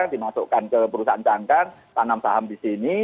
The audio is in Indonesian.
dimasukkan ke perusahaan cangkang tanam saham di sini